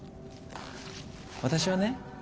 私はね